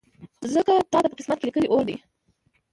ځکه تاته په قسمت لیکلی اور دی